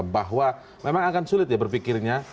bahwa memang akan sulit ya berpikirnya